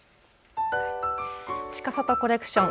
ちかさとコレクション。